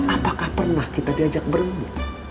apakah pernah kita diajak bermi